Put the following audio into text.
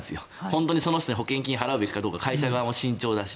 本当にその人に保険金を払うべきかどうか慎重だし。